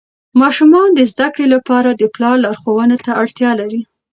ماشومان د زده کړې لپاره د پلار لارښوونو ته اړتیا لري.